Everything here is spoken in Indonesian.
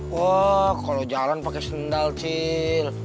wah kalau jalan pakai sendal cil